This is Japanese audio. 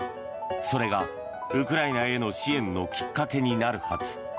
それが、ウクライナへの支援のきっかけになるはず。